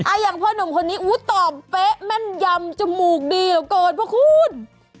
อ่ะอย่างพ่อหนุ่มคนนี้ตอบเป๊ะแม่นยำจมูกดีกว่าคุณ